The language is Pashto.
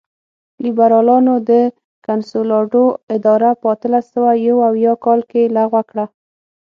لېبرالانو د کنسولاډو اداره په اتلس سوه یو اویا کال کې لغوه کړه.